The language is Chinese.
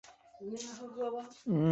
冷杉的叶与松科其他属植物不同。